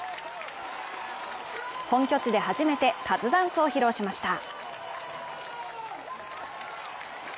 本拠地で初めてカズダンスを披露しました。